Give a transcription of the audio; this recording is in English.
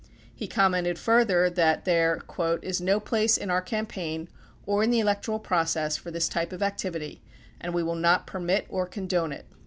He commented further that there "is no place in our campaign or in the electoral process for this type of activity and we will not permit it or condone it."